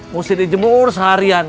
mesti dijemur seharian